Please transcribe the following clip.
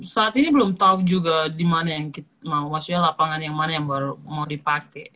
saat ini belum tau juga dimana yang mau maksudnya lapangan yang mana yang mau dipake